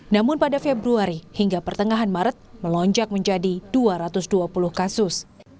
namun pada februari hingga pertengahan maret melonjak menjadi dua ratus dua puluh kasus